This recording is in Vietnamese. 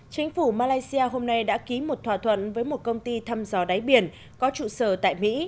chính phủ malaysia hôm nay đã ký một thỏa thuận với một công ty thăm dò đáy biển có trụ sở tại mỹ